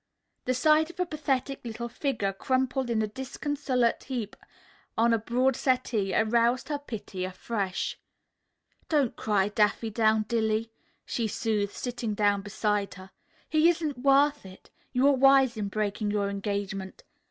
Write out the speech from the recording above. The sight of a pathetic little figure crumpled in a disconsolate heap on a broad settee aroused her pity afresh. "Don't cry, Daffydowndilly," she soothed, sitting down beside her. "He isn't worth it. You were wise in breaking your engagement.